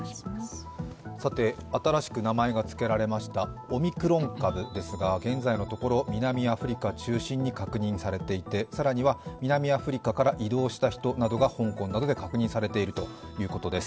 新しく名前がつけられましたオミクロン株ですが現在のところ南アフリカ中心に確認されていて、更には南アフリカから移動した人などが香港などで確認されているということです。